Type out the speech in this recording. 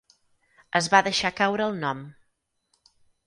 Es va deixar caure el nom.